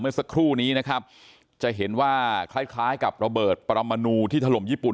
เมื่อสักครู่นี้นะครับจะเห็นว่าคล้ายคล้ายกับระเบิดปรมนูที่ถล่มญี่ปุ่น